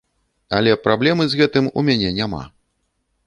Але праблемы з гэтым у мяне няма.